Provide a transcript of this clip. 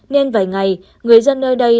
nên vài ngày người dân nơi đây